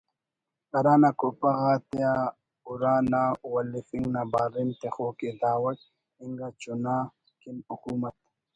ہرانا کوپہ غاتیا اُرا نا ولفنگ نا باریم تخوک ءِ داوڑ انگا چناتے کن حکومت